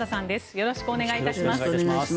よろしくお願いします。